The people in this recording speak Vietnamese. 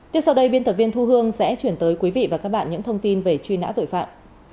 tiếp sau đây biên tập viên thu hương sẽ chuyển tới quý vị và các bạn những thông tin về truy nã tội phạm